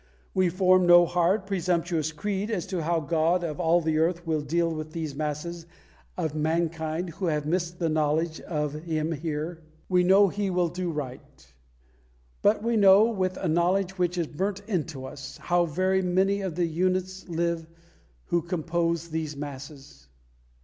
We form no hard, presumptuous creed as to how the God of all the earth will deal with these masses of mankind who have missed the knowledge of Him here; we know He will do right. But we know, with a knowledge which is burnt into us, how very many of the units live who compose these masses.